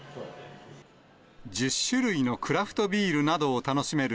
１０種類のクラフトビールなどを楽しめる